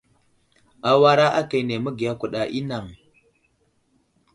Awara aka məgiya kuɗa i anaŋ.